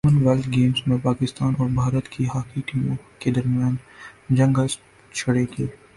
common wealth games میں پاکستان اور بھارت کی ہاکی ٹیموں کے درمیان جنگ اج چھڑے گی